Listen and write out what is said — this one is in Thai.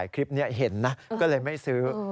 ก็เลยไม่ซื้อ